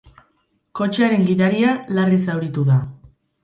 Kotxearen gidaria larri zauritu da.